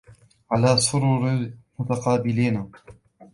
عَلى سُرُرٍ مُتَقابِلينَ